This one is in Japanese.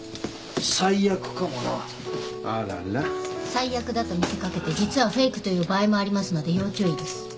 最悪だと見せ掛けて実はフェイクという場合もありますので要注意です。